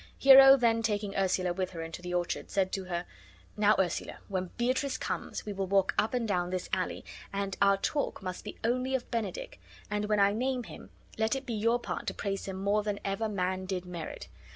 Hero, then taking Ursula with her into the orchard, said to her: "Now, Ursula, when Beatrice comes, we will walk up and down this alley, and our talk must be only of Benedick, and when I name him, let it be your part to praise him more than ever man did merit.